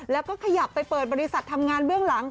แล้วก็ขยับไปเปิดบริษัททำงานเบื้องหลัง